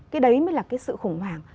cái đấy mới là sự khủng hoảng